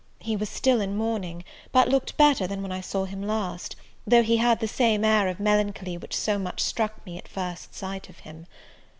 He was still in mourning, but looked better than when I saw him last, though he had the same air of melancholy which so much struck me at first sight of him.